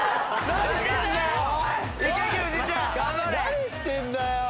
何してんだよ！